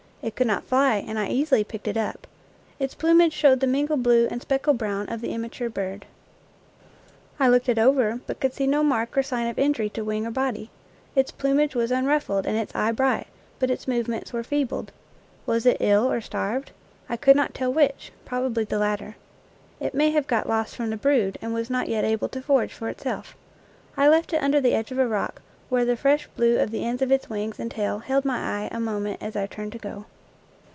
It could not fly, and I easily picked it up. Its plumage showed the mingled blue and speckled brown of the immature bird. I looked it over, but could see no mark or sign of injury to wing or body. Its plum age was unruffled and its eye bright, but its move ments were feeble. Was it ill or starved? I could not tell which, probably the latter. It may have got lost from the brood and was not yet able to forage for itself. I left it under the edge of a rock, where the fresh blue of the ends of its wings and tail held my eye a moment as I turned to go.